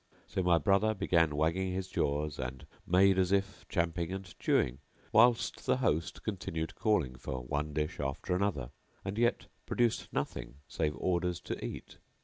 So my brother began wagging his jaws and made as if champing and chewing,[FN#689] whilst the host continued calling for one dish after another and yet produced nothing save orders to eat.